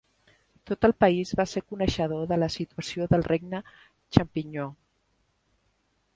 Tot el país va ser coneixedor de la situació del Regne Xampinyó.